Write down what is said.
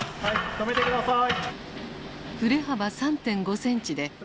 止めてください！